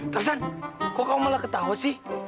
tarzan kok kau malah ketahuan sih